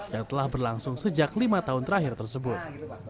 yang telah berlangsung sejak lima tahun terakhir tersebut